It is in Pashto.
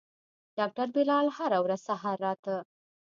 ډاکتر بلال هره ورځ سهار راته.